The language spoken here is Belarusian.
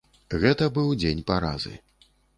Гэта быў дзень паразы.